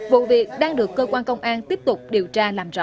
vụ việc đang được cơ quan công an tiếp tục điều tra làm rõ